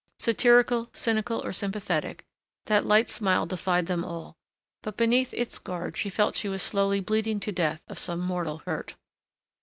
Satiric, cynical, or sympathetic, that light smile defied them all, but beneath its guard she felt she was slowly bleeding to death of some mortal hurt.